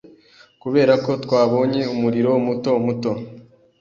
Kuberako twabonye umuriro muto muto